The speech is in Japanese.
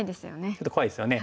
ちょっと怖いですよね。